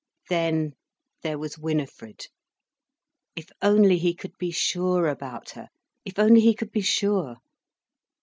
Then there was Winifred! If only he could be sure about her, if only he could be sure.